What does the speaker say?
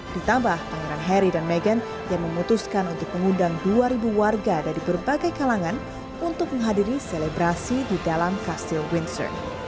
ditambah pangeran harry dan meghan yang memutuskan untuk mengundang dua warga dari berbagai kalangan untuk menghadiri selebrasi di dalam kastil windsor